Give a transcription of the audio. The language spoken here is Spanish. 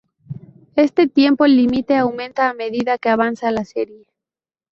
Este tiempo límite aumenta a medida que avanza la serie.